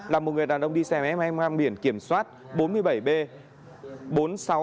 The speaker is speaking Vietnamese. là một người đàn ông đi xe máy mang biển kiểm soát bốn mươi bảy b bốn nghìn sáu trăm một mươi ba